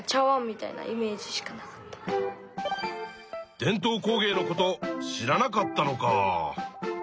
伝統工芸のこと知らなかったのか。